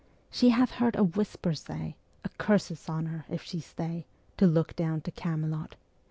She has heard a whisper say, A curse is on her if she stay Ā Ā To look down to Camelot.